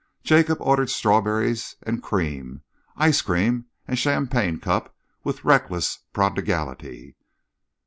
Jacob ordered strawberries and cream, ice cream and champagne cup with reckless prodigality.